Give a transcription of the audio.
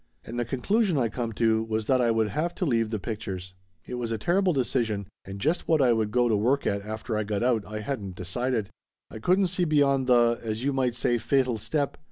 And the conclusion I come to was that I would have to leave the pictures. It was a terrible decision, and just what I would go to work at after I got out, I hadn't decided. I couldn't see beyond the, as you might say, fatal step.